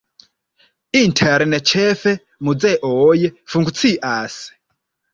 Interne ĉefe muzeoj funkcias.